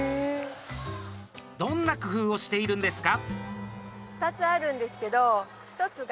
どんな工夫をしているんですか？